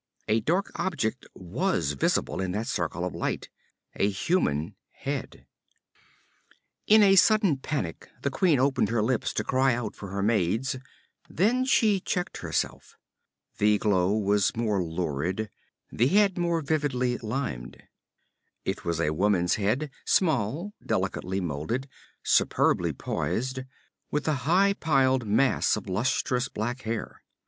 A dark object was visible in that circle of light a human head. In a sudden panic the queen opened her lips to cry out for her maids; then she checked herself. The glow was more lurid, the head more vividly limned. It was a woman's head, small, delicately molded, superbly poised, with a high piled mass of lustrous black hair.